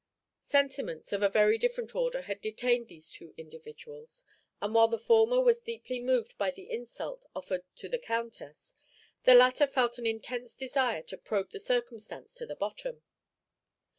Sentiments of a very different order had detained these two individuals, and while the former was deeply moved by the insult offered to the Countess, the latter felt an intense desire to probe the circumstance to the bottom.